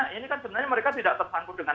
ini kan sebenarnya mereka tidak tersangkut dengan